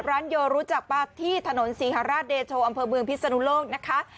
ร้านโยรู้จักป่ะที่ถนนศรีฮราชเดโชอำเภอเมืองพิศนุโลกนะคะ